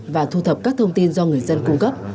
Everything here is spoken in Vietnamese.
và thu thập các thông tin do người dân cung cấp